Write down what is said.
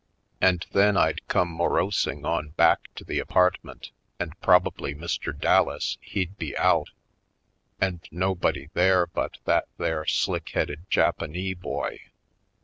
And then I'd come morosing on back to the apartment and probably Mr. Dallas he'd be out and no body there but that there slick headed Japa nee boy.